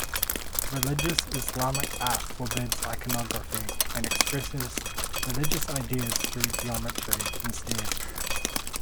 Religious Islamic art forbids iconography, and expresses religious ideas through geometry instead.